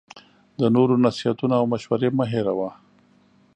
د نورو نصیحتونه او مشوری مه هیروه